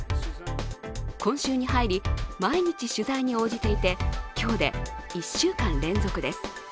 今週に入り、毎日取材に応じていて、今日で１週間連続です。